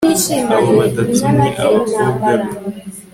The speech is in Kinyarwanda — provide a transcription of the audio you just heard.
abo batatu ni abakobwa be